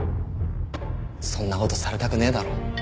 そんな事されたくねえだろ？